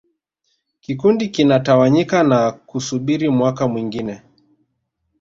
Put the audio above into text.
Kikundi kinatawanyika na kusubiri mwaka mwingine